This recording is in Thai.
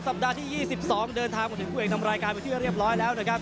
ปัดที่๒๒เดินทางมาถึงคู่เอกนำรายการไปที่เรียบร้อยแล้วนะครับ